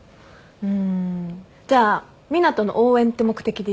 うんじゃあ湊斗の応援って目的で行くわ。